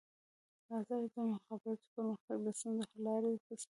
ازادي راډیو د د مخابراتو پرمختګ د ستونزو حل لارې سپارښتنې کړي.